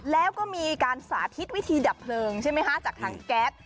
แล้วก็มีการสาธิตวิธีดับเพลิงใช่ไหมคะจากทางแก๊ส